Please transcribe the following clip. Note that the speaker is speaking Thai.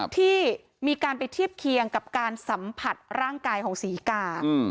ที่มีการไปเทียบเคียงกับการสัมผัสร่างกายของศรีกา